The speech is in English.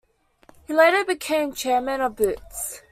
He later became chairman of Boots.